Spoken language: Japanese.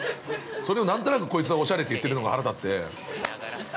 それを何となくこいつがおしゃれって言ってるのが腹立って。